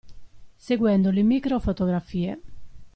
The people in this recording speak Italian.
Seguendo le micro-fotografie.